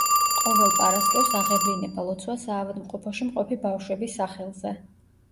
ყოველ პარასკევს აღევლინება ლოცვა საავადმყოფოში მყოფი ბავშვების სახელზე.